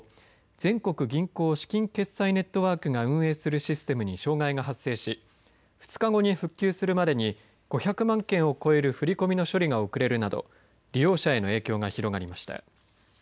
全国銀行資金決済ネットワークが運営するシステムに障害が発生し２日後に復旧するまでに５００万件を超える振り込みの処理が遅れるなど利用者への影響が広がりました。